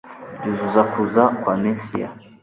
byuzuza kuza kwa Mesiya